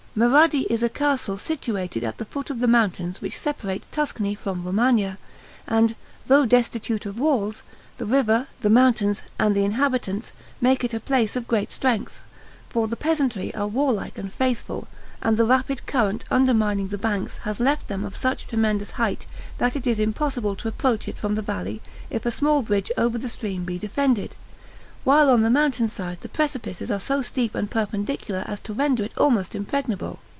Marradi is a castle situated at the foot of the mountains which separate Tuscany from Romagna; and, though destitute of walls, the river, the mountains, and the inhabitants, make it a place of great strength; for the peasantry are warlike and faithful, and the rapid current undermining the banks has left them of such tremendous height that it is impossible to approach it from the valley if a small bridge over the stream be defended; while on the mountain side the precipices are so steep and perpendicular as to render it almost impregnable.